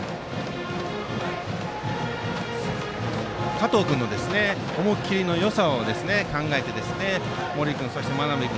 加藤君の思い切りのよさを考えて森君と真鍋君